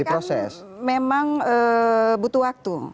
proses ini kan memang butuh waktu